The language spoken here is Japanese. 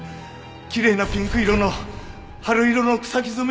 きれいなピンク色の春色の草木